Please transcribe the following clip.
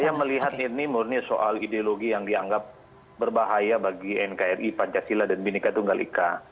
saya melihat ini murni soal ideologi yang dianggap berbahaya bagi nkri pancasila dan binika tunggal ika